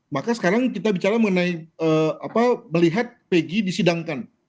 maka sekarang kita bicara mengenai melihat pegi disidangkan